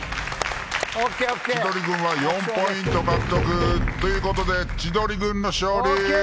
千鳥軍は４ポイント獲得。ということで、千鳥軍の勝利。